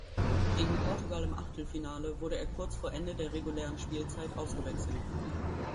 Gegen Portugal im Achtelfinale wurde er kurz vor Ende der regulären Spielzeit ausgewechselt.